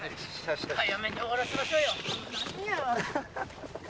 早めに終わらせましょうよ。